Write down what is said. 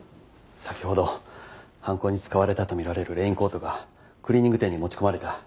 先ほど犯行に使われたとみられるレインコートがクリーニング店に持ち込まれた。